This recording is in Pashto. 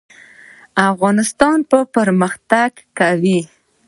افغانستان به پرمختګ کوي